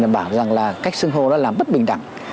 bảo rằng là cách xưng hô đó là bất bình đẳng